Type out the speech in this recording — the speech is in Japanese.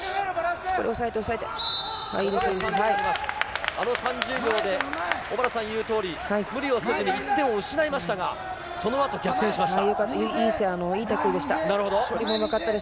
そこで押さえて、押さえて、あの３０秒で、小原さん言うとおり、無理をせずに１点を失いましたが、そのあと、逆転しました。